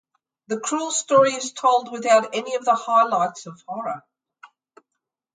The cruel story is told without any of the highlights of horror.